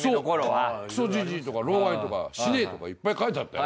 そうクソジジイとか老害とか死ねとかいっぱい書いてあったよ。